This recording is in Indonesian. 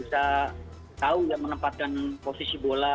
bahkan harus bisa tahu ya menempatkan posisi bola